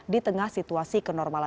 di tengah situasi kenormalan